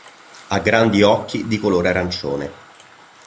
Ha grandi occhi di colore arancione.